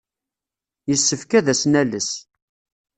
Yessefk ad as-nales.